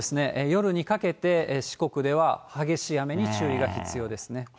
夜にかけて四国では激しい雨に注意が必要ですね。